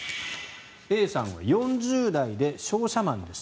Ａさんは４０代で商社マンです。